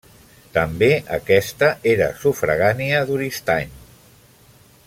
També aquesta era sufragània d'Oristany.